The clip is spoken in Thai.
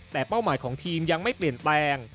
แต่เป้าหมายของทีมยังไม่เปลี่ยนแปลง